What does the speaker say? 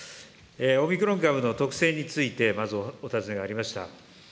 オミクロン株の特性について、まず、お尋ねがありました。